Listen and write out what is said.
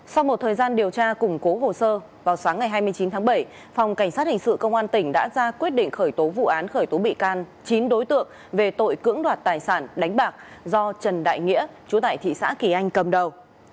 sau một thời gian điều tra củng cố hồ sơ vào sáng ngày hai mươi chín tháng bảy phòng cảnh sát hình sự công an tỉnh đã ra quyết định khởi tố vụ án khởi tố bị can chín đối tượng về tội cưỡng đoạt tài sản đánh bạc do trần đại nghĩa chú tại thị xã kỳ anh cầm đầu